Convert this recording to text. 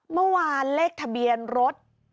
เมื่อวานเลขทะเบียนรถ